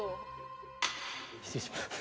失礼します。